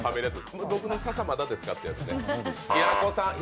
僕のささ、まだですかってやつね。